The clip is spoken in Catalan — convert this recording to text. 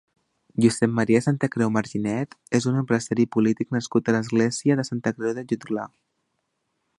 Josep Maria Santacreu Marginet és un empresari i polític nascut a Església de Santa Creu de Jutglar.